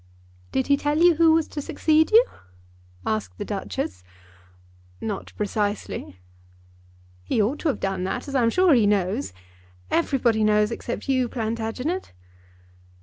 "Did he tell you who was to succeed you?" asked the Duchess. "Not precisely." "He ought to have done that, as I am sure he knows. Everybody knows except you, Plantagenet."